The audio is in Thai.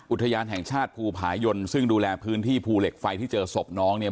อุทยานแห่งชาติภูผายนซึ่งดูแลพื้นที่ภูเหล็กไฟที่เจอศพน้องเนี่ย